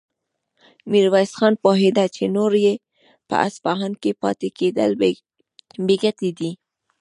ميرويس خان پوهېده چې نور يې په اصفهان کې پاتې کېدل بې ګټې دي.